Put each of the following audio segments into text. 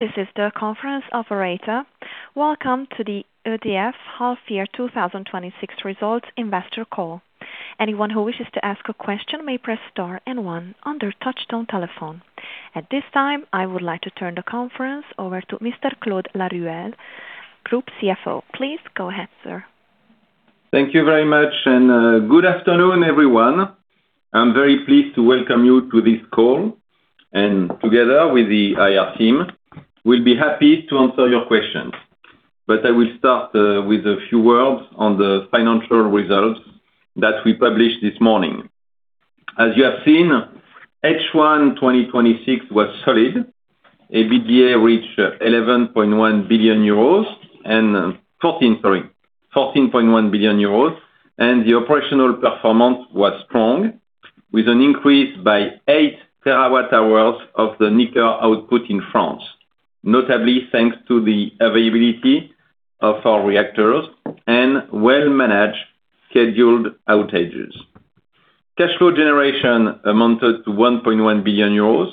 This is the conference operator. Welcome to the EDF Half Year 2026 Results Investor Call. Anyone who wishes to ask a question may press star and one on their touchtone telephone. At this time, I would like to turn the conference over to Mr. Claude Laruelle, Group CFO. Please go ahead, sir. Thank you very much. Good afternoon, everyone. I'm very pleased to welcome you to this call. Together with the IR team, we'll be happy to answer your questions. I will start with a few words on the financial results that we published this morning. As you have seen, H1 2026 was solid. EBITDA reached 14.1 billion euros, and the operational performance was strong, with an increase by 8 TWh of the nuclear output in France. Notably, thanks to the availability of our reactors and well-managed scheduled outages. Cash flow generation amounted to 1.1 billion euros,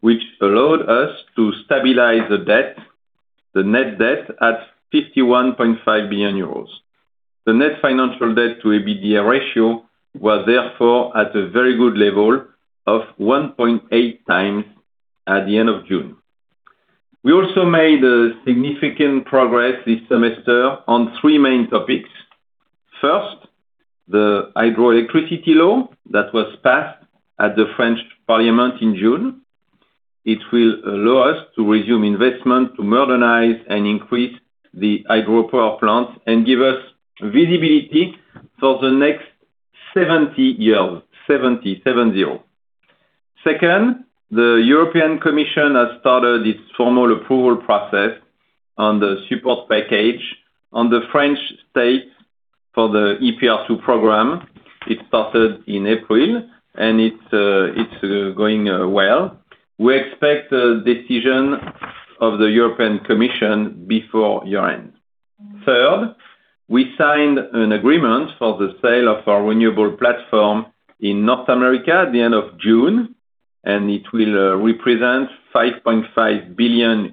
which allowed us to stabilize the net debt at 51.5 billion euros. The net financial debt to EBITDA ratio was therefore at a very good level of 1.8x at the end of June. We also made significant progress this semester on three main topics. First, the hydroelectricity law that was passed at the French Parliament in June. It will allow us to resume investment to modernize and increase the hydropower plants and give us visibility for the next 70 years, 70 7-0. Second, the European Commission has started its formal approval process on the support package on the French state for the EPR II program. It started in April. It's going well. We expect a decision of the European Commission before year-end. Third, we signed an agreement for the sale of our renewable platform in North America at the end of June. It will represent $5.5 billion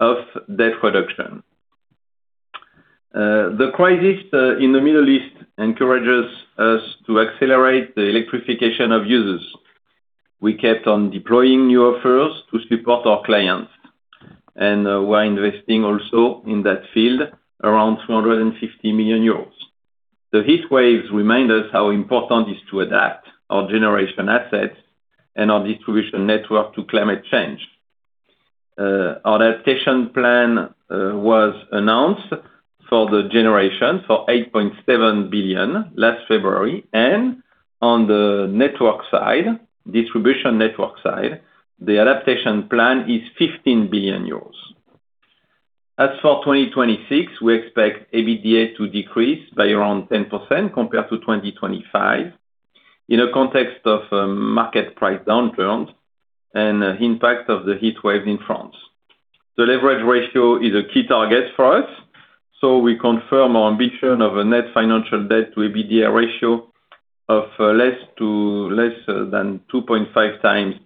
of debt reduction. The crisis in the Middle East encourages us to accelerate the electrification of users. We kept on deploying new offers to support our clients. We're investing also in that field around 250 million euros. The heat waves remind us how important it is to adapt our generation assets and our distribution network to climate change. Our adaptation plan was announced for the generation for 8.7 billion last February. On the distribution network side, the adaptation plan is 15 billion euros. As for 2026, we expect EBITDA to decrease by around 10% compared to 2025 in a context of market price downturns and impact of the heat wave in France. The leverage ratio is a key target for us. We confirm our ambition of a net financial debt to EBITDA ratio of less than 2.5x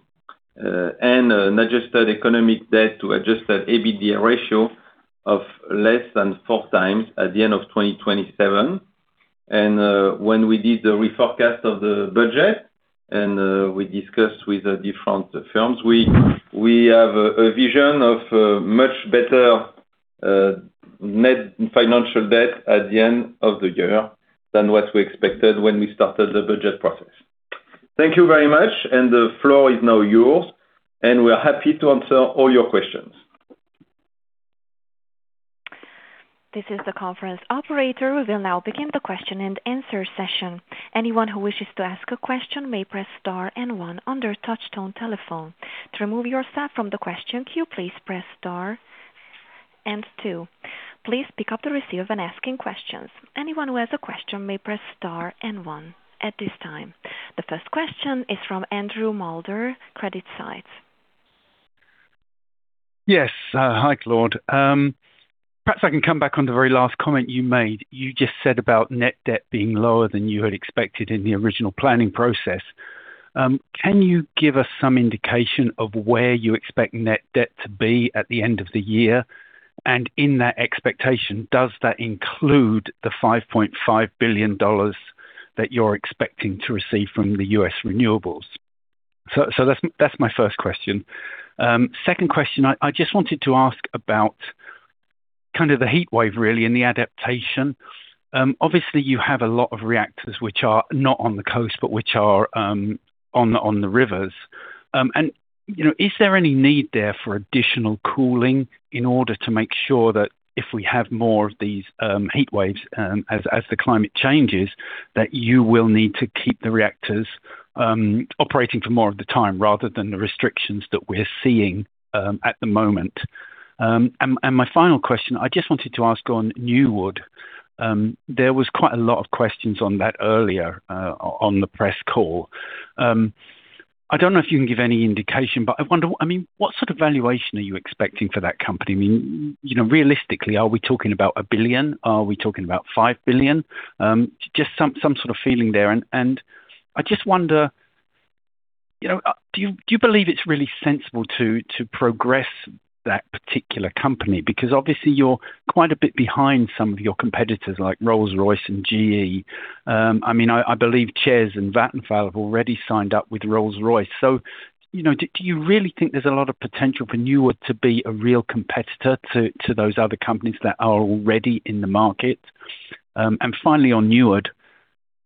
and adjusted economic debt to adjusted EBITDA ratio of less than four times at the end of 2027. When we did the reforecast of the budget, and we discussed with the different firms, we have a vision of much better net financial debt at the end of the year than what we expected when we started the budget process. Thank you very much, and the floor is now yours, and we are happy to answer all your questions. This is the conference operator. We will now begin the question-and-answer session. Anyone who wishes to ask a question may press star and one on their touchtone telephone. To remove yourself from the question queue, please press star and two. Please pick up the receiver when asking questions. Anyone who has a question may press star and one at this time. The first question is from Andrew Moulder, Credit Suisse. Yes. Hi, Claude. Perhaps I can come back on the very last comment you made. You just said about net debt being lower than you had expected in the original planning process. Can you give us some indication of where you expect net debt to be at the end of the year? In that expectation, does that include the $5.5 billion that you're expecting to receive from the U.S. renewables? That's my first question. Second question, I just wanted to ask about kind of the heat wave, really, and the adaptation. Obviously, you have a lot of reactors which are not on the coast, but which are on the rivers. Is there any need there for additional cooling in order to make sure that if we have more of these heat waves as the climate changes, that you will need to keep the reactors operating for more of the time rather than the restrictions that we're seeing at the moment? My final question, I just wanted to ask on Nuward. There was quite a lot of questions on that earlier on the press call. I don't know if you can give any indication, but I wonder, what sort of valuation are you expecting for that company? Realistically, are we talking about 1 billion? Are we talking about 5 billion? Just some sort of feeling there. I just wonder, do you believe it's really sensible to progress that particular company? Because obviously you're quite a bit behind some of your competitors like Rolls-Royce and GE. I believe ČEZ and Vattenfall have already signed up with Rolls-Royce. Do you really think there's a lot of potential for Nuward to be a real competitor to those other companies that are already in the market? Finally, on Nuward,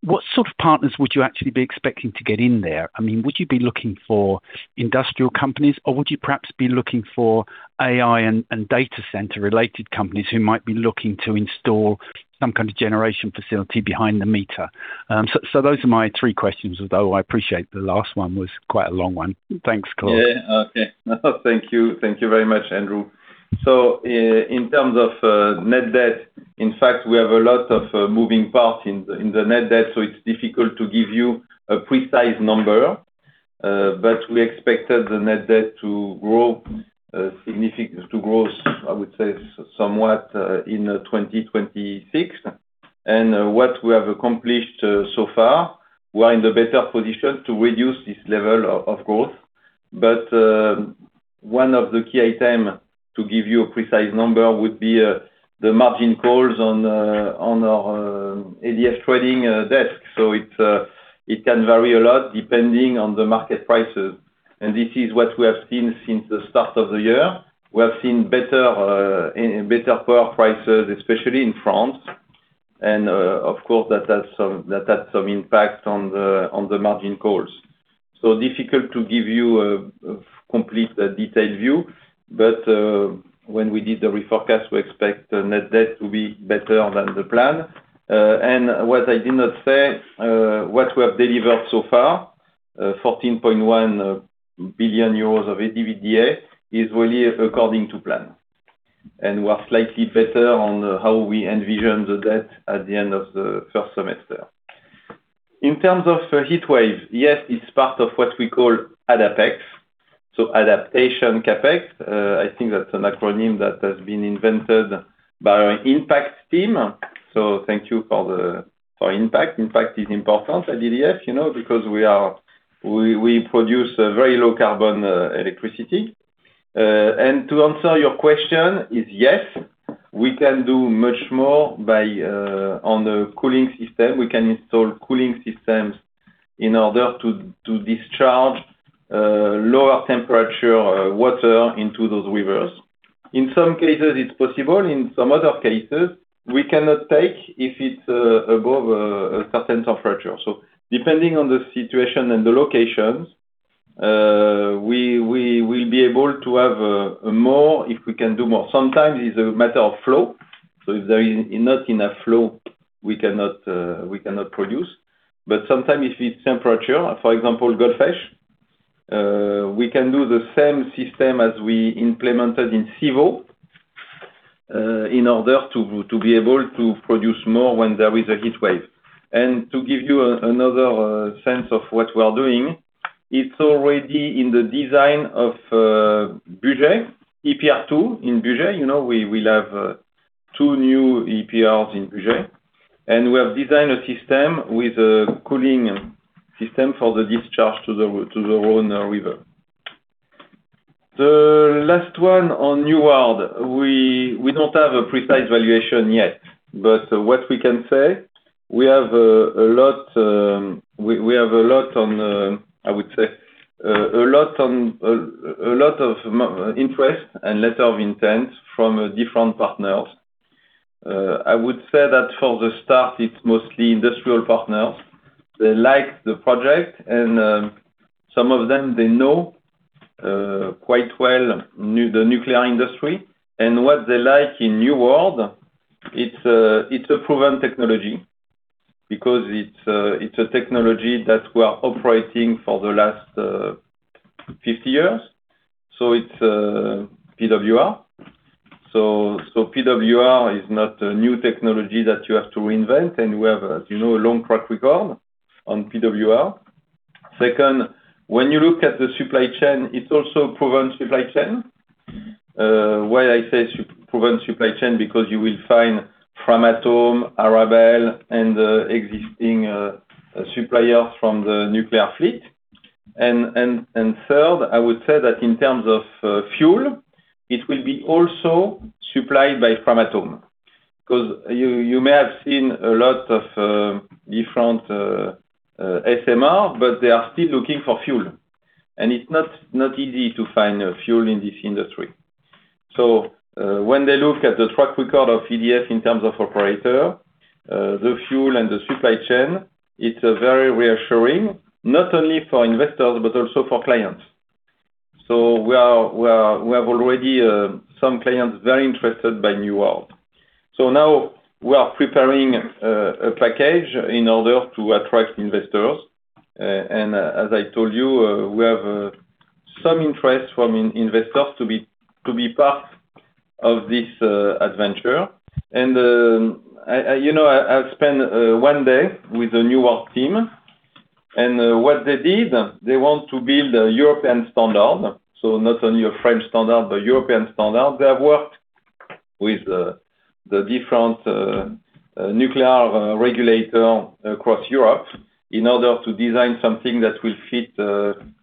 what sort of partners would you actually be expecting to get in there? Would you be looking for industrial companies, or would you perhaps be looking for AI and data center-related companies who might be looking to install some kind of generation facility behind the meter? Those are my three questions, although I appreciate the last one was quite a long one. Thanks, Claude. Yeah. Okay. Thank you. Thank you very much, Andrew. In terms of net debt, in fact, we have a lot of moving parts in the net debt, it's difficult to give you a precise number. We expected the net debt to grow, I would say, somewhat in 2026. What we have accomplished so far, we are in the better position to reduce this level of growth. One of the key items to give you a precise number would be the margin calls on our EDF Trading desk. It can vary a lot depending on the market prices. This is what we have seen since the start of the year. We have seen better power prices, especially in France. Of course, that has some impact on the margin calls. Difficult to give you a complete detailed view. When we did the reforecast, we expect net debt to be better than the plan. What I did not say, what we have delivered so far, 14.1 billion euros of EBITDA, is really according to plan. We are slightly better on how we envision the debt at the end of the first semester. In terms of heat wave, yes, it's part of what we call AdapEx. Adaptation CapEx. I think that's an acronym that has been invented by our Impact team. Thank you for Impact. Impact is important at EDF, because we produce a very low carbon electricity. To answer your question is, yes, we can do much more on the cooling system. We can install cooling systems in order to discharge lower temperature water into those rivers. In some cases, it's possible. In some other cases, we cannot take if it's above a certain temperature. Depending on the situation and the locations, we will be able to have more if we can do more. Sometimes it's a matter of flow. If there is not enough flow, we cannot produce. Sometimes if it's temperature, for example, Golfech, we can do the same system as we implemented in Civaux, in order to be able to produce more when there is a heat wave. To give you another sense of what we are doing, it's already in the design of Bugey EPR2. In Bugey, we will have two new EPRs. We have designed a system with a cooling system for the discharge to the Rhone River. The last one on Nuward. We don't have a precise valuation yet. What we can say, we have a lot of interest and letter of intent from different partners. I would say that for the start, it's mostly industrial partners. They like the project, and some of them they know quite well the nuclear industry. What they like in Nuward, it's a proven technology because it's a technology that we are operating for the last 50 years. It's PWR. PWR is not a new technology that you have to reinvent, and we have a long track record on PWR. Second, when you look at the supply chain, it's also proven supply chain. Why I say proven supply chain, because you will find Framatome, Arabelle and existing suppliers from the nuclear fleet. Third, I would say that in terms of fuel, it will be also supplied by Framatome. You may have seen a lot of different SMR, but they are still looking for fuel. It's not easy to find fuel in this industry. When they look at the track record of EDF in terms of operator, the fuel and the supply chain, it's very reassuring, not only for investors but also for clients. We have already some clients very interested by Nuward. Now we are preparing a package in order to attract investors. As I told you, we have some interest from investors to be part of this adventure. I've spent one day with the Nuward team, and what they did, they want to build a European standard. Not only a French standard, but European standard. They have worked with the different nuclear regulator across Europe in order to design something that will fit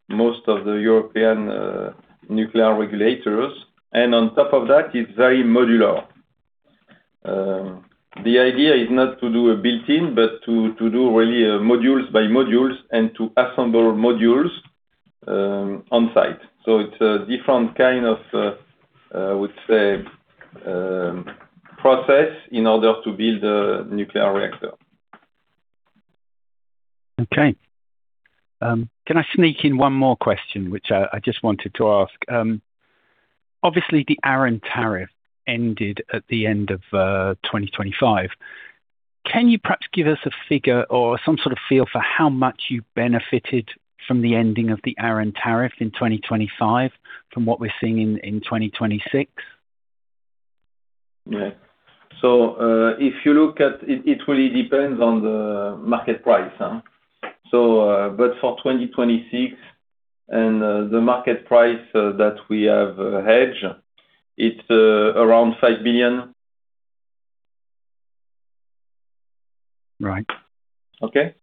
most of the European nuclear regulators. On top of that, it's very modular. The idea is not to do a built-in, but to do really a modules by modules and to assemble modules on-site. It's a different kind of, I would say, process in order to build a nuclear reactor. Okay. Can I sneak in one more question, which I just wanted to ask? Obviously, the ARENH tariff ended at the end of 2025. Can you perhaps give us a figure or some sort of feel for how much you benefited from the ending of the ARENH tariff in 2025, from what we're seeing in 2026? If you look at it really depends on the market price. For 2026 and the market price that we have hedged, it is around EUR 5 billion. Right. Okay?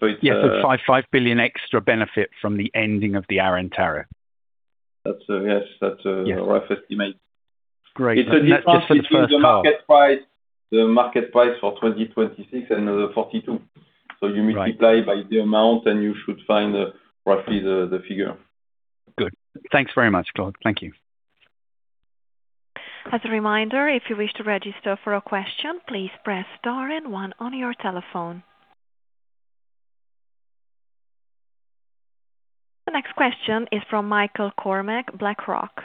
5 billion extra benefit from the ending of the ARENH tariff. Yes, that's a. Yeah. Rough estimate. Great. That's just for the first half. It's the difference between the market price for 2026 and the 42. Right. You multiply by the amount, and you should find roughly the figure. Good. Thanks very much, Claude. Thank you. As a reminder, if you wish to register for a question, please press star and one on your telephone. The next question is from Michael McCormack, BlackRock.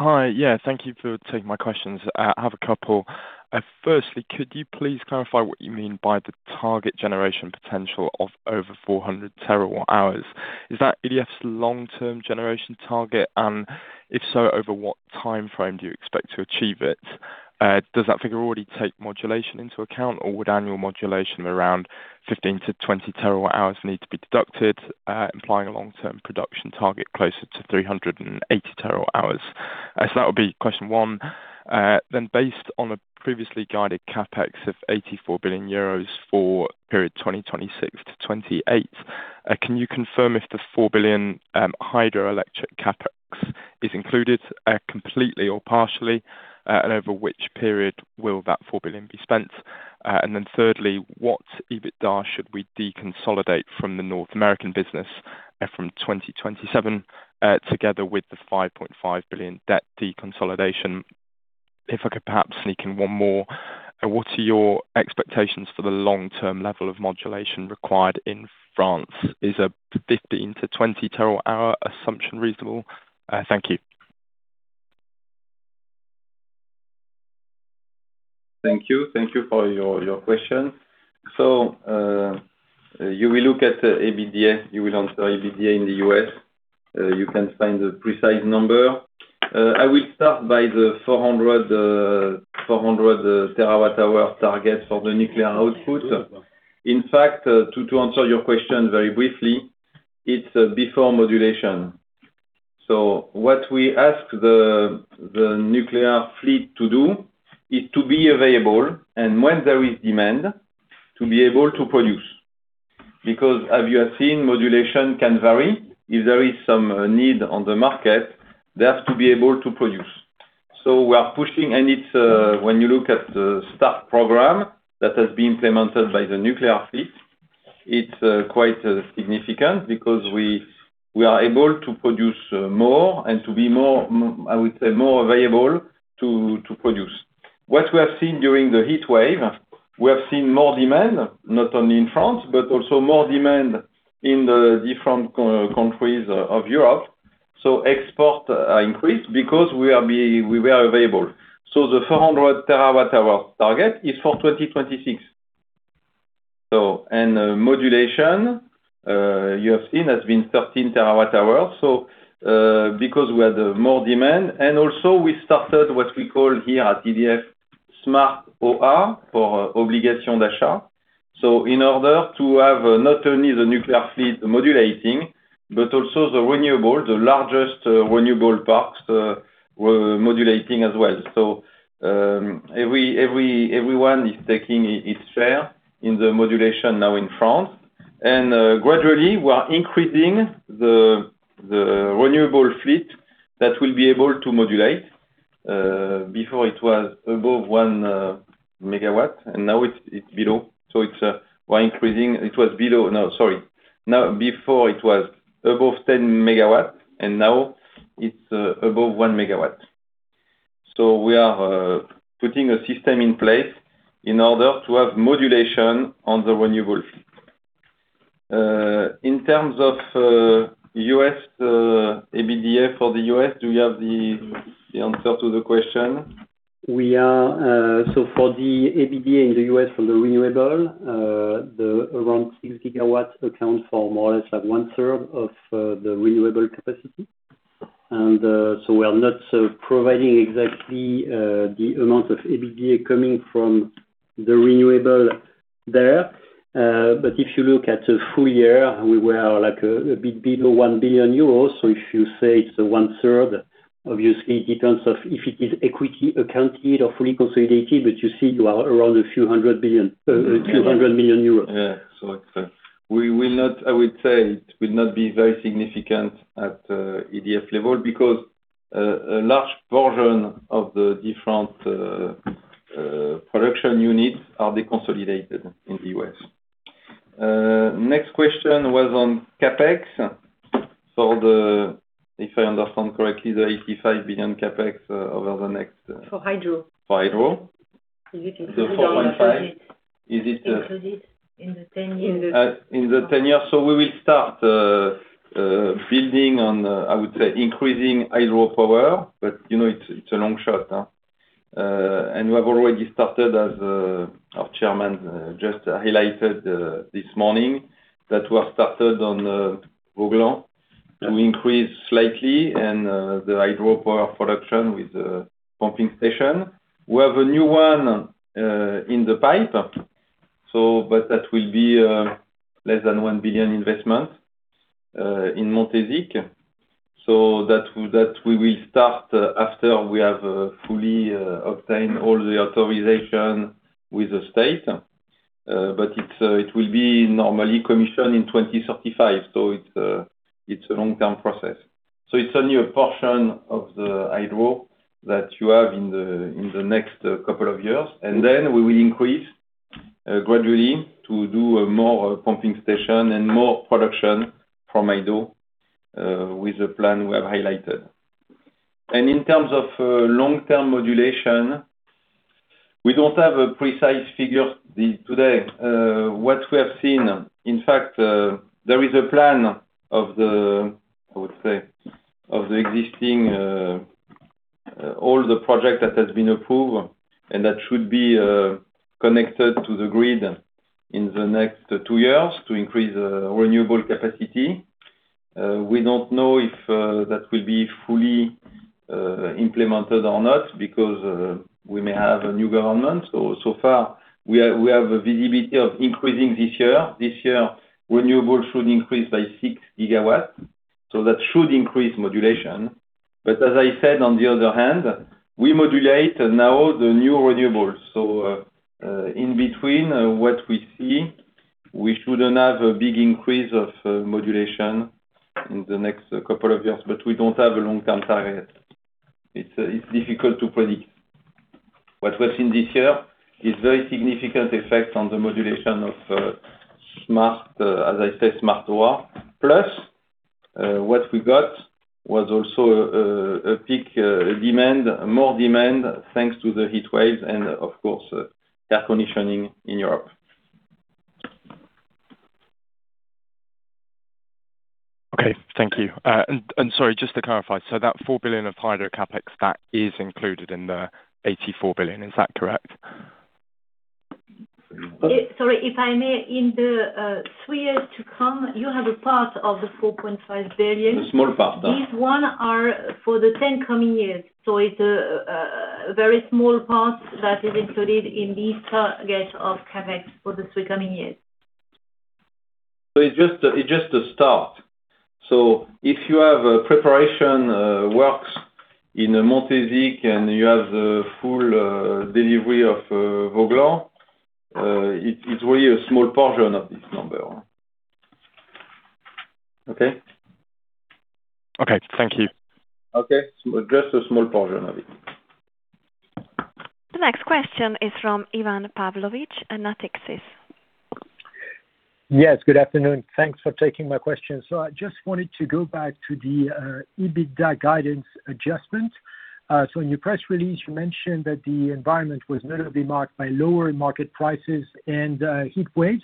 Hi. Yeah. Thank you for taking my questions. I have a couple. Firstly, could you please clarify what you mean by the target generation potential of over 400 TWh? Is that EDF's long-term generation target? If so, over what timeframe do you expect to achieve it? Does that figure already take modulation into account, or would annual modulation around 15-20 TWh need to be deducted, implying a long-term production target closer to 380 TWh? That would be question one. Based on a previously guided CapEx of 84 billion euros for period 2026-2028, can you confirm if the 4 billion hydroelectric CapEx is included completely or partially, and over which period will that 4 billion be spent? Thirdly, what EBITDA should we deconsolidate from the North American business from 2027, together with the $5.5 billion debt deconsolidation? If I could perhaps sneak in one more, what are your expectations for the long-term level of modulation required in France? Is a 15-20 TWh assumption reasonable? Thank you. Thank you. Thank you for your question. You will look at EBITDA. You will answer EBITDA in the U.S. You can find the precise number. I will start by the 400 TWh target for the nuclear output. To answer your question very briefly, it is before modulation. What we ask the nuclear fleet to do is to be available, and when there is demand, to be able to produce. As you have seen, modulation can vary. If there is some need on the market, they have to be able to produce. We are pushing, and when you look at the staff program that has been implemented by the nuclear fleet, it is quite significant because we are able to produce more and to be more, I would say, more available to produce. What we have seen during the heat wave, we have seen more demand, not only in France, but also more demand in the different countries of Europe. Export increased because we were available. The 400 TWh target is for 2026. Modulation, you have seen, has been 13 TWh. We had more demand, and also we started what we call here at EDF, Smart OA for Obligation d'achat. In order to have not only the nuclear fleet modulating, but also the renewable, the largest renewable parks were modulating as well. Everyone is taking its share in the modulation now in France. Gradually, we are increasing the renewable fleet that will be able to modulate. Before it was above 1 MW, and now it is below. We are increasing. It was below. No, sorry. Before it was above 10 MW, and now it is above 1 MW. We are putting a system in place in order to have modulation on the renewable fleet. In terms of U.S., EBITDA for the U.S., do you have the answer to the question? We are. For the EBITDA in the U.S., for the renewable, around 6 GW accounts for more or less one-third of the renewable capacity. We are not providing exactly the amount of EBITDA coming from the renewable there. If you look at the full year, we were a bit below 1 billion euros. If you say it is one third, obviously it depends if it is equity accounted or fully consolidated, but you see you are around a few hundred million euros. Yeah. I would say it will not be very significant at EDF level because a large portion of the different production units are deconsolidated in the U.S. Next question was on CapEx. If I understand correctly, the 85 billion CapEx over the next. For hydro. For hydro. Is it included in the 10 years? In the 10 years. We will start building on increasing hydro power. It's a long shot. We have already started, as our chairman just highlighted this morning, that we have started on Vouglans to increase slightly and the hydro power production with pumping station. We have a new one in the pipe. That will be less than 1 billion investment in Montézic. That we will start after we have fully obtained all the authorization with the state. It will be normally commissioned in 2035. It's a long-term process. It's only a portion of the hydro that you have in the next couple of years. We will increase gradually to do more pumping station and more production from hydro with the plan we have highlighted. In terms of long-term modulation, we don't have a precise figure today. What we have seen, in fact, there is a plan of the existing, all the project that has been approved and that should be connected to the grid in the next two years to increase renewable capacity. We don't know if that will be fully implemented or not because we may have a new government. We have a visibility of increasing this year. This year, renewable should increase by 6 GW. That should increase modulation. As I said, on the other hand, we modulate now the new renewables. In between what we see, we shouldn't have a big increase of modulation in the next couple of years, but we don't have a long-term target. It's difficult to predict. What we've seen this year is very significant effect on the modulation of, as I said, Smart OA. What we got was also a peak demand, more demand, thanks to the heat waves and, of course, air conditioning in Europe. Okay. Thank you. Sorry, just to clarify, that 4 billion of hydro CapEx, that is included in the 84 billion, is that correct? Sorry, if I may, in the three years to come, you have a part of the 4.5 billion. A small part. These one are for the 10 coming years. It's a very small part that is included in this target of CapEx for the three coming years. It's just a start. If you have preparation works in Montézic, and you have the full delivery of Vouglans, it's really a small portion of this number. Okay? Okay. Thank you. Okay. Just a small portion of it. The next question is from Ivan Pavlovic at Natixis. Yes. Good afternoon. Thanks for taking my question. I just wanted to go back to the EBITDA guidance adjustment. In your press release, you mentioned that the environment was notably marked by lower market prices and heat waves.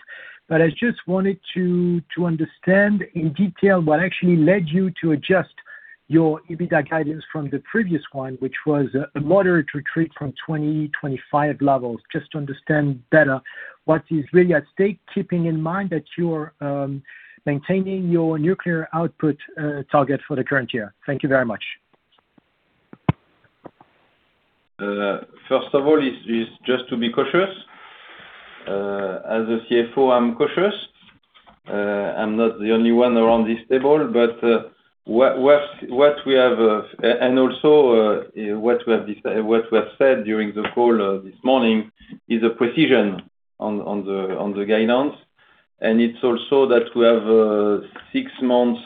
I just wanted to understand in detail what actually led you to adjust your EBITDA guidance from the previous one, which was a moderate retreat from 2025 levels. Just to understand better what is really at stake, keeping in mind that you're maintaining your nuclear output target for the current year. Thank you very much. First of all, it is just to be cautious. As a CFO, I'm cautious. I'm not the only one around this table. What we have said during the call this morning is a precision on the guidance. It's also that we have six months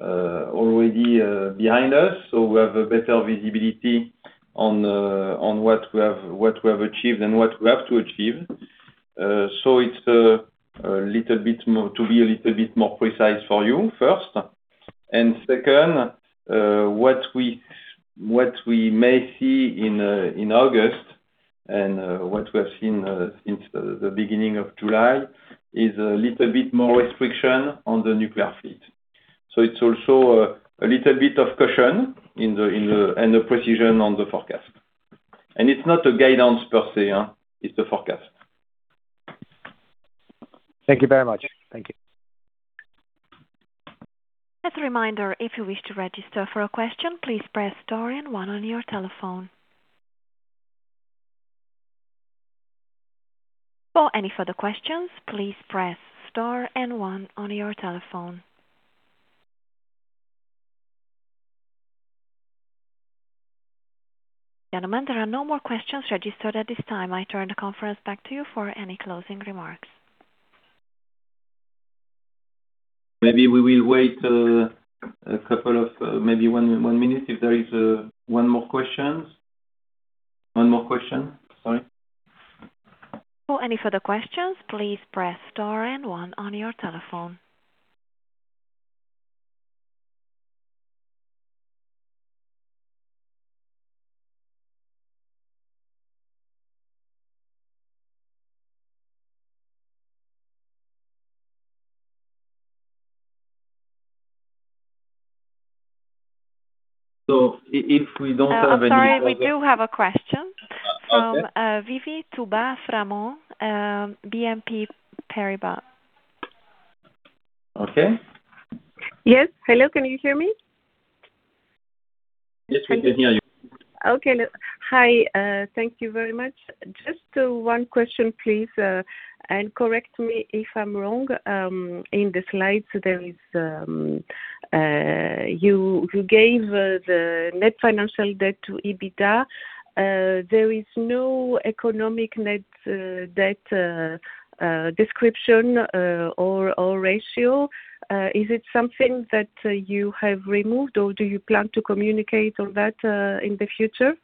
already behind us, so we have a better visibility on what we have achieved and what we have to achieve. It's to be a little bit more precise for you, first. What we may see in August and what we have seen since the beginning of July is a little bit more restriction on the nuclear fleet. It's also a little bit of caution and a precision on the forecast. It's not a guidance per se, it's the forecast. Thank you very much. Thank you. As a reminder, if you wish to register for a question, please press star one on your telephone. For any further questions, please press star one on your telephone. Gentlemen, there are no more questions registered at this time. I turn the conference back to you for any closing remarks. Maybe we will wait a couple of, maybe one minute if there is one more question. One more question, sorry. For any further questions, please press star and one on your telephone. If we don't have any other. Oh, sorry. We do have a question from Vivi Touba-Frament, BNP Paribas. Okay. Yes. Hello, can you hear me? Yes, we can hear you. Okay. Hi. Thank you very much. Just one question, please, and correct me if I'm wrong. In the slides, you gave the net financial debt to EBITDA. There is no economic net debt description or ratio. Is it something that you have removed, or do you plan to communicate on that in the future?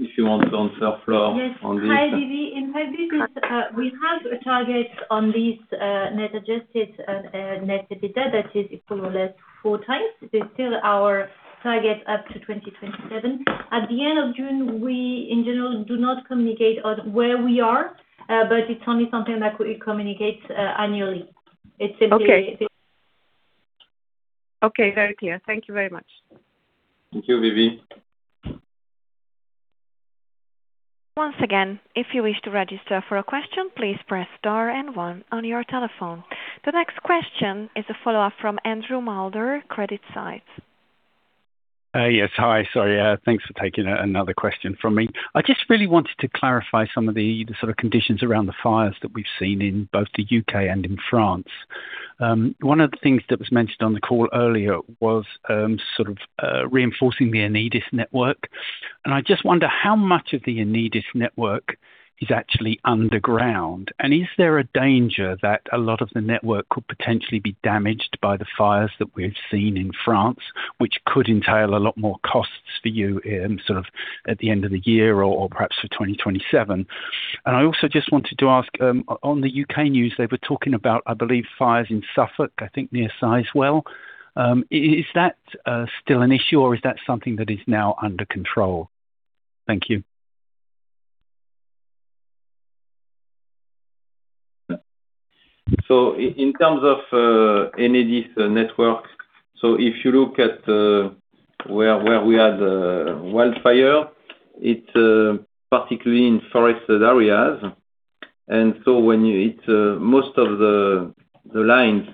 If you want to answer, Flo, on this. Yes. Hi, Vivi. In H1, we have a target on this net adjusted net EBITDA that is more or less four times. It is still our target up to 2027. At the end of June, we in general do not communicate on where we are, but it's only something that we communicate annually. Okay. Okay. Very clear. Thank you very much. Thank you, Vivi. Once again, if you wish to register for a question, please press star and one on your telephone. The next question is a follow-up from Andrew Moulder, Credit Suisse. Yes. Hi, sorry. Thanks for taking another question from me. I just really wanted to clarify some of the sort of conditions around the fires that we've seen in both the U.K. and in France. One of the things that was mentioned on the call earlier was sort of reinforcing the Enedis network. I just wonder how much of the Enedis network is actually underground. Is there a danger that a lot of the network could potentially be damaged by the fires that we've seen in France, which could entail a lot more costs for you in sort of at the end of the year or perhaps for 2027? I also just wanted to ask, on the U.K. news, they were talking about, I believe, fires in Suffolk, I think near Sizewell. Is that still an issue or is that something that is now under control? Thank you. In terms of Enedis network, if you look at where we had a wildfire, it's particularly in forested areas. When it's most of the lines,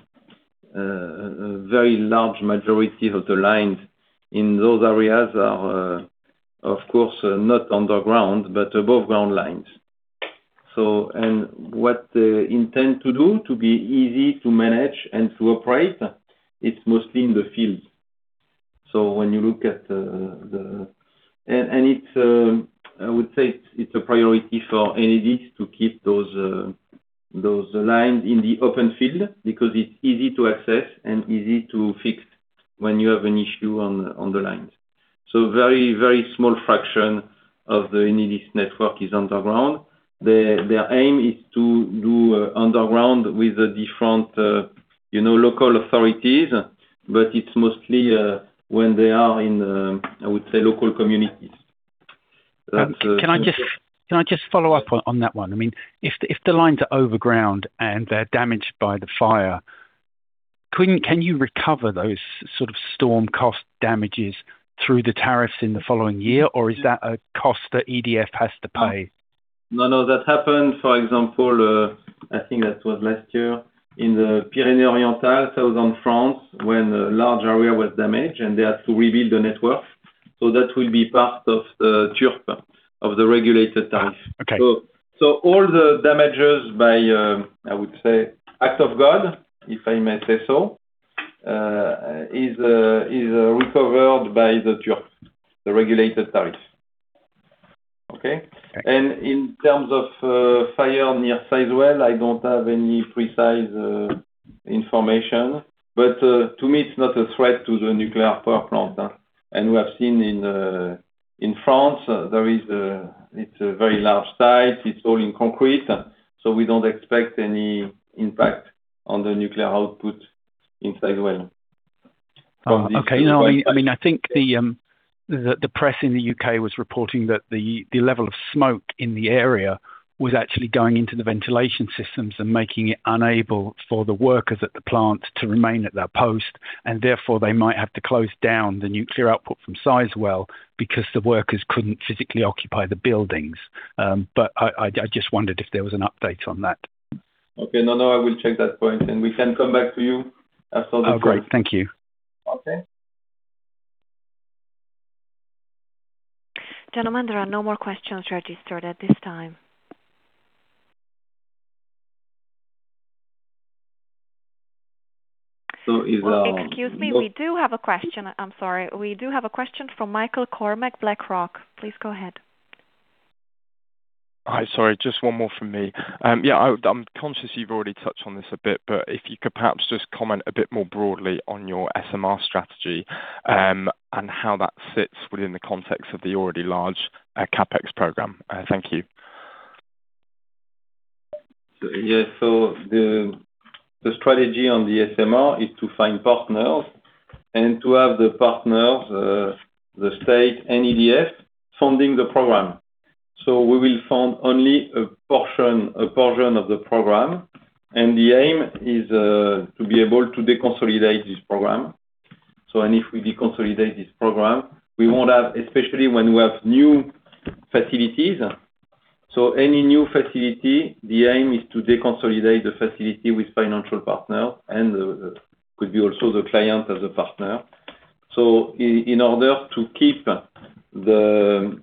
a very large majority of the lines in those areas are, of course, not underground, but above ground lines. What they intend to do to be easy to manage and to operate, it's mostly in the fields. I would say it's a priority for Enedis to keep those lines in the open field because it's easy to access and easy to fix when you have an issue on the lines. A very small fraction of the Enedis network is underground. Their aim is to do underground with the different local authorities, but it's mostly when they are in, I would say, local communities. Can I just follow up on that one? If the lines are overground and they're damaged by the fire, can you recover those sort of storm cost damages through the tariffs in the following year? Or is that a cost that EDF has to pay? That happened, for example, I think that was last year in the Pyrénées-Orientales, southern France, when a large area was damaged, and they had to rebuild the network. That will be part of the TURPE, of the regulated tariff. Okay. All the damages by, I would say, act of God, if I may say so, is recovered by the TURPE, the regulated tariff. Okay? Okay. In terms of fire near Sizewell, I don't have any precise information. To me, it's not a threat to the nuclear power plant. We have seen in France, it's a very large site. It's all in concrete. We don't expect any impact on the nuclear output in Sizewell from this fire. Okay. I think the press in the U.K. was reporting that the level of smoke in the area was actually going into the ventilation systems and making it unable for the workers at the plant to remain at their post, and therefore they might have to close down the nuclear output from Sizewell because the workers couldn't physically occupy the buildings. I just wondered if there was an update on that. Okay. No, I will check that point, and we can come back to you as soon as possible. Oh, great. Thank you. Okay. Gentlemen, there are no more questions registered at this time. Excuse me. We do have a question. I'm sorry. We do have a question from Michael McCormack, BlackRock. Please go ahead. Hi. Sorry, just one more from me. I'm conscious you've already touched on this a bit, but if you could perhaps just comment a bit more broadly on your SMR strategy, how that sits within the context of the already large CapEx program. Thank you. Yes. The strategy on the SMR is to find partners and to have the partners, the state and EDF, funding the program. We will fund only a portion of the program, the aim is to be able to deconsolidate this program. If we deconsolidate this program, we won't have, especially when we have new facilities. Any new facility, the aim is to deconsolidate the facility with financial partner and could be also the client as a partner. In order to keep the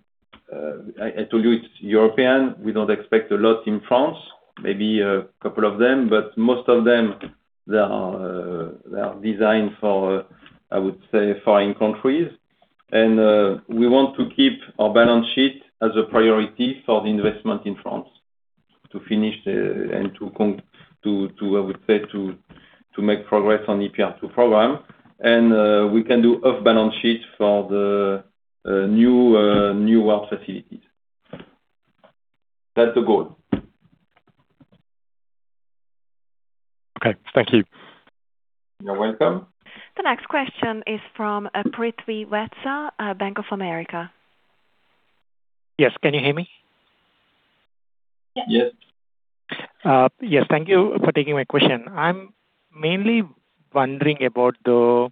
I told you it's European, we don't expect a lot in France, maybe a couple of them, but most of them, they are designed for, I would say, foreign countries. We want to keep our balance sheet as a priority for the investment in France to finish and to, I would say, to make progress on EPR2 program. We can do off balance sheet for the new facilities. That's the goal. Okay. Thank you. You're welcome. The next question is from Prithvi Vetsa, Bank of America. Yes. Can you hear me? Yes. Yes. Yes. Thank you for taking my question. I'm mainly wondering about the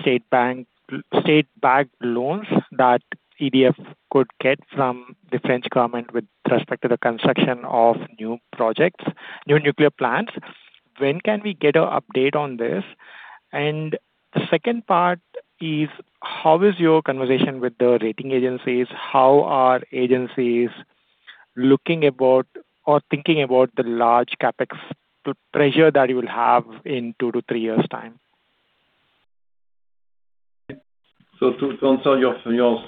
state-backed loans that EDF could get from the French government with respect to the construction of new projects, new nuclear plants. When can we get an update on this? The second part is, how is your conversation with the rating agencies? How are agencies looking about or thinking about the large CapEx to measure that you will have in two to three years' time? To answer your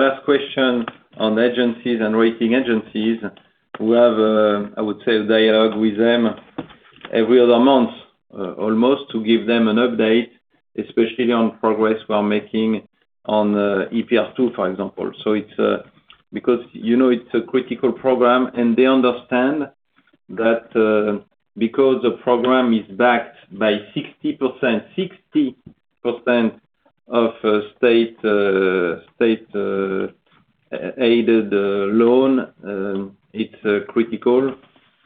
last question on agencies and rating agencies, we have a, I would say, a dialogue with them every other month, almost to give them an update, especially on progress we're making on EPR2, for example. It's because it's a critical program, and they understand that, because the program is backed by 60% of state-aided loan, it's critical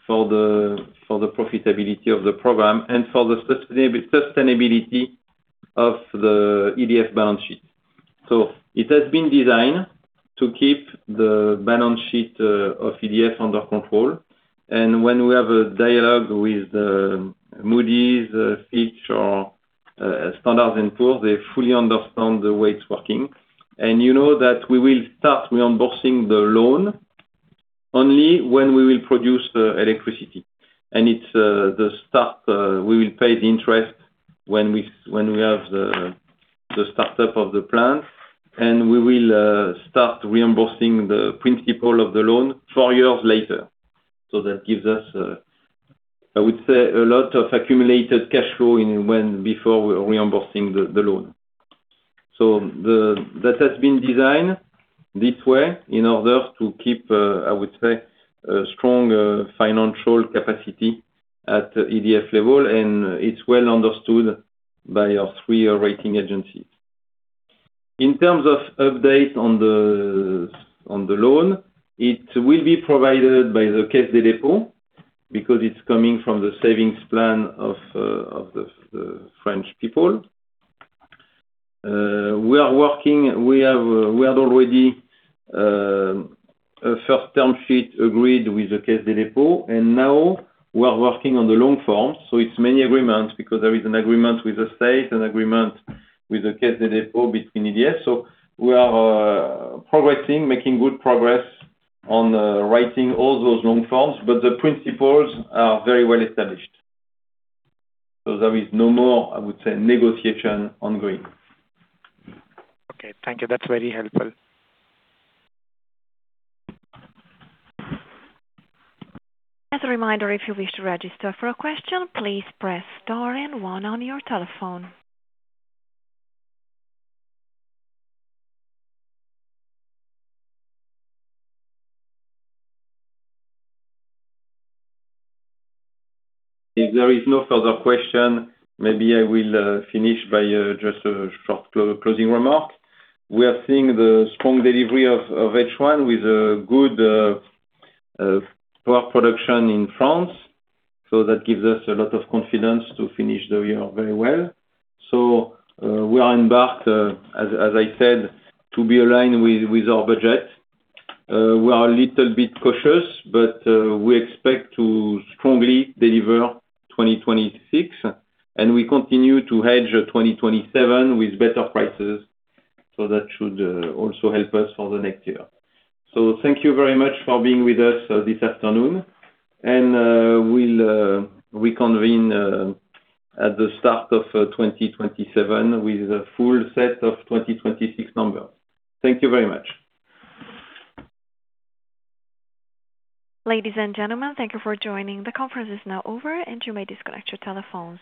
for the profitability of the program and for the sustainability of the EDF balance sheet. It has been designed to keep the balance sheet of EDF under control. When we have a dialogue with Moody's, Fitch, or Standard & Poor's, they fully understand the way it's working. You know that we will start reimbursing the loan only when we will produce electricity. We will pay the interest when we have the startup of the plant, and we will start reimbursing the principal of the loan four years later. That gives us, I would say, a lot of accumulated cash flow before reimbursing the loan. That has been designed this way in order to keep, I would say, a strong financial capacity at EDF level, and it's well understood by our three rating agencies. In terms of update on the loan, it will be provided by the Caisse des Dépôts because it's coming from the savings plan of the French people. We had already a first term sheet agreed with the Caisse des Dépôts, now we are working on the long form. It's many agreements because there is an agreement with the state, an agreement with the Caisse des Dépôts between EDF. We are progressing, making good progress on writing all those long forms, but the principles are very well established. There is no more, I would say, negotiation ongoing. Okay. Thank you. That's very helpful. As a reminder, if you wish to register for a question, please press star and one on your telephone. If there is no further question, maybe I will finish by just a short closing remark. We are seeing the strong delivery of H1 with a good power production in France. That gives us a lot of confidence to finish the year very well. We are embarked, as I said, to be aligned with our budget. We are a little bit cautious, but we expect to strongly deliver 2026, and we continue to hedge 2027 with better prices. That should also help us for the next year. Thank you very much for being with us this afternoon, and we'll reconvene at the start of 2027 with a full set of 2026 numbers. Thank you very much. Ladies and gentlemen, thank you for joining. The conference is now over, and you may disconnect your telephones.